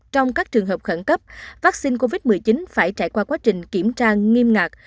trong các trường hợp khẩn cấp vaccine covid một mươi chín phải trải qua quá trình kiểm tra nghiêm ngặt